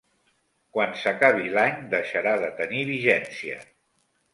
Quan s'acabi l'any, deixarà de tenir vigència.